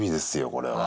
これは。